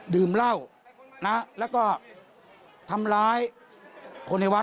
ดื่มเหล้านะแล้วก็ทำร้ายคนในวัด